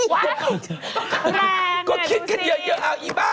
ว้ายแรงน่ะดูสิก็คิดแค่เยอะอ้าวอีบ้า